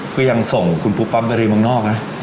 คุณยังส่งคุณภูรมา๊บ่าไปรีมเมืองนอกนะ